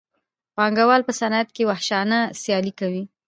پانګوال په صنعت کې وحشیانه سیالي کوي